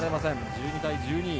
１２対１２。